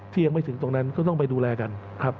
ที่ยังไม่ถึงตรงนั้นก็ต้องไปดูแลกัน